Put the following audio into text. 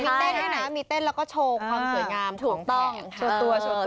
มีเต้นด้วยนะมีเต้นแล้วก็โชว์ความสวยงามของแขวงหัง